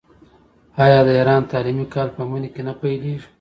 آیا د ایران تعلیمي کال په مني کې نه پیلیږي؟